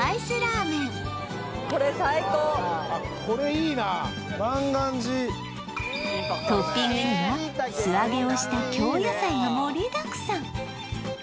これいいな万願寺トッピングには素揚げをした京野菜が盛りだくさん